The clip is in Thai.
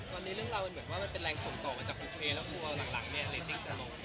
ตอนนี้เรื่องราวมันเหมือนว่ามันเป็นแรงส่งต่อมาจากแล้วหลังหลังเนี้ยจะลงไหม